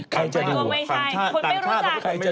ทางจากตัวไม่ใช่คนไม่รู้จัก